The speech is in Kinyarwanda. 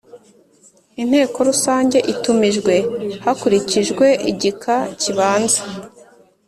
Inteko rusange itumijwe hakurikijwe igika kibanza